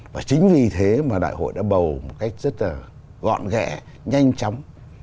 và chính vì thế mà đại hội đã bầu một cách rất là gọn ghẹ nhanh chóng